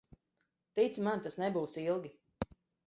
Tici man, tas nebūs ilgi.